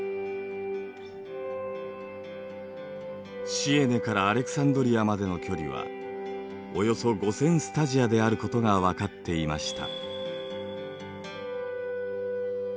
シエネからアレクサンドリアまでの距離はおよそ５，０００スタジアであることがわかっていました。